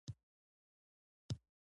الماري د کور مهمه برخه ده